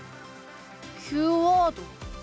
Ｑワード？